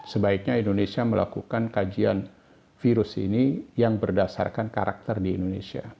sebaiknya indonesia melakukan kajian virus ini yang berdasarkan karakter di indonesia